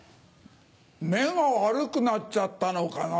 目が悪くなっちゃったのかな？